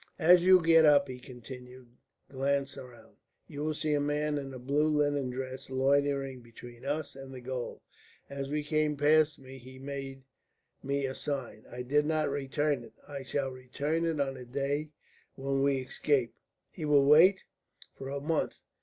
"As you get up," he continued, "glance round. You will see a man in a blue linen dress, loitering between us and the gaol. As we came past him, he made me a sign. I did not return it. I shall return it on the day when we escape." "He will wait?" "For a month.